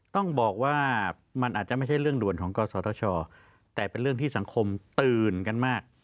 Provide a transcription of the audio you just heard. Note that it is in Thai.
ต้องบอกว่ามันอาจจะไม่ใช่เรื่องด่วนของกศธชแต่เป็นเรื่องที่สังคมตื่นกันมาก